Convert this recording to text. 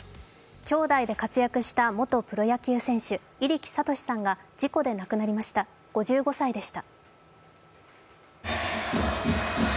兄弟で活躍した元プロ野球選手、入来智さんが事故で亡くなりました５５歳でした。